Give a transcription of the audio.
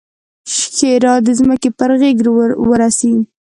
ښېرا: د ځمکې پر غېږ ورسئ!